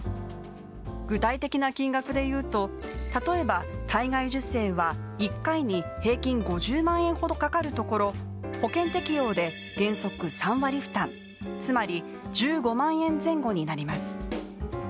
具体的な金額でいうと、例えば体外受精は１回に平均５０万円ほどかかるところ保険適用で原則３割負担つまり１５万円前後になります。